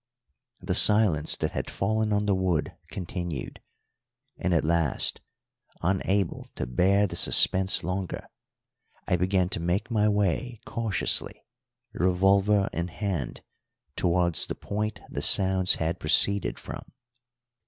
The silence that had fallen on the wood continued, and at last, unable to bear the suspense longer, I began to make my way cautiously, revolver in hand, towards the point the sounds had proceeded from.